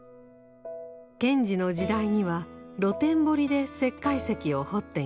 賢治の時代には露天掘りで石灰石を掘っていました。